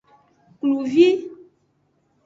Kluvi.